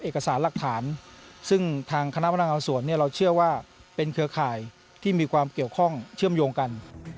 เอกสารหลักฐานซึ่งทางคณะพนักงานสวนเนี่ยเราเชื่อว่าเป็นเครือข่ายที่มีความเกี่ยวข้องเชื่อมโยงกัน